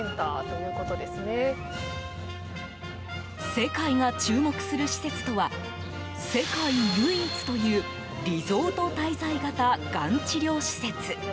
世界が注目する施設とは世界唯一というリゾート滞在型がん治療施設。